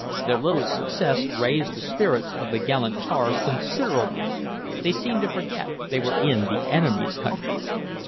Their little success raised the spirits of the gallant tars considerably; they seemed to forget they were in the enemy's country.